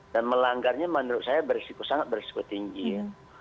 dan melanggarnya menurut saya berisiko sangat berisiko tinggi ya